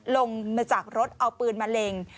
ลงมาจากรถเอาปืนมาเล็ง